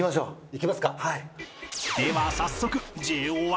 行きますか。